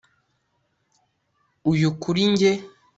Uyu kuri njye